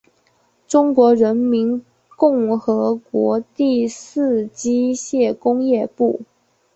中华人民共和国第四机械工业部。